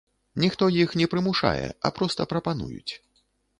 Ніхто іх не прымушае, а проста прапануюць.